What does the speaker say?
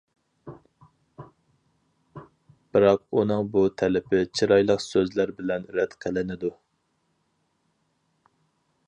بىراق ئۇنىڭ بۇ تەلىپى چىرايلىق سۆزلەر بىلەن رەت قىلىنىدۇ.